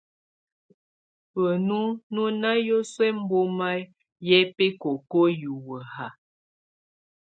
Benu nɔ na yəsuə ɛmbɔma yɛ bikoko hiwə ha.